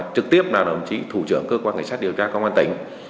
trực tiếp là đồng chí thủ trưởng cơ quan cảnh sát điều tra công an tỉnh